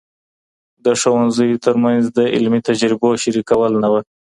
د ښوونځیو ترمنځ د علمي تجربو شریکول نه وو.